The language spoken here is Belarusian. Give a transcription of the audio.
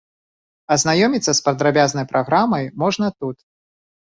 Азнаёміцца з падрабязнай праграмай можна тут.